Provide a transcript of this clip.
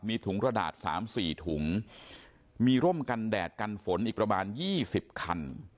มีถุงกระดาษ๓๔ถุงมีร่มกันแดดกันฝนอีกประมาณ๒๐คัน